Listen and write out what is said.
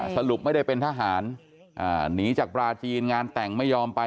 สรุปไม่ได้เป็นทหารหนีจากปลาจีนงานแต่งไม่ยอมไป